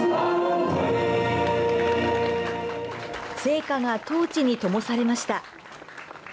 聖火がトーチにともされました。